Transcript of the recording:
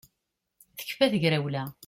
Tekfa tegrawla